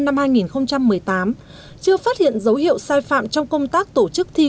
năm hai nghìn một mươi tám chưa phát hiện dấu hiệu sai phạm trong công tác tổ chức thi